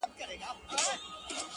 ستا خو غاړه په موږ ټولو کي ده لنډه-